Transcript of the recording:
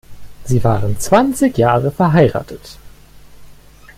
Sie waren zwanzig Jahre verheiratet.